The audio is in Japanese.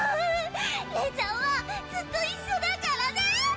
レイちゃんはずっと一緒だからね！